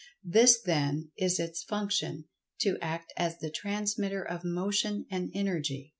This, then, is its function—to act as the transmitter of motion and energy."